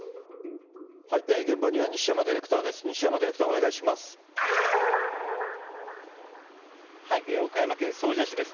現場には西山ディレクターです。